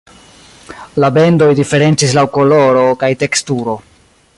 La bendoj diferencis laŭ koloro kaj teksturo.